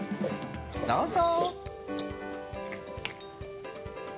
どうぞ。